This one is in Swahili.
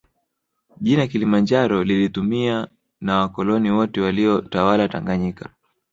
Jina kilimanjaro lilitumia na wakoloni wote waliyotawala tanganyika